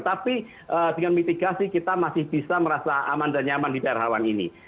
tapi dengan mitigasi kita masih bisa merasa aman dan nyaman di daerah rawan ini